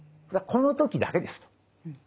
この時だけですと。